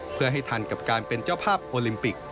เพื่อให้ทันกับการเป็นเจ้าภาพโอลิมปิก